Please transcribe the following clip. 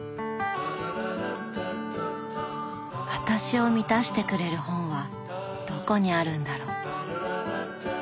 私を満たしてくれる本はどこにあるんだろう。